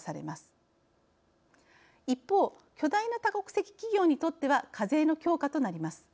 一方巨大な多国籍企業にとっては課税の強化となります。